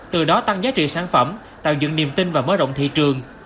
từ đó tăng giá trị sản phẩm tạo dựng niềm tin và mở rộng thị trường